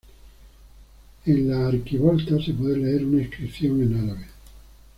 En la arquivolta se puede leer una inscripción en árabe.